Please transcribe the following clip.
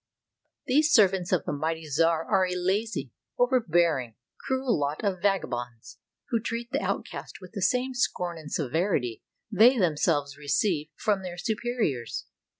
These servants of the mighty czar are a lazy, over bearing, cruel lot of vagabonds, who treat the outcast with the same scorn and severity they themselves re ceive from their superiors.